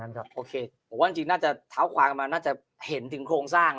กันครับโอเคมันจรีกน่าจะเท้าขวางมาน่าจะเห็นถึงโครงสร้าง